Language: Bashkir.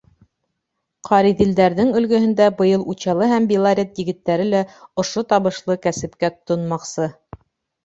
Ҡариҙелдәрҙең өлгөһөндә быйыл Учалы һәм Белорет егеттәре лә ошо табышлы кәсепкә тотонмаҡсы.